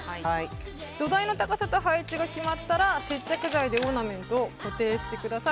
土台の高さと配置が決まったら接着剤でオーナメントを固定してください。